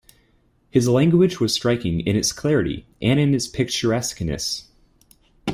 His language was striking in its clarity and in its picturesqueness.